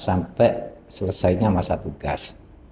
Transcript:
sampai selesainya masa tugas